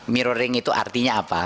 mirroring itu artinya apa